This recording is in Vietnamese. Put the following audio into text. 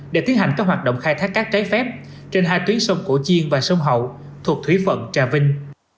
để tiến hành các hoạt động khai thác cát trái phép trên hai tuyến sông cổ chiên và sông hậu thuộc thủy phận trà vinh